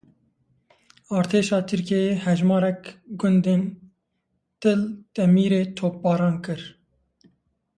Artêşa Tirkiyeyê hejmarek gundên Til Temirê topbaran kirin.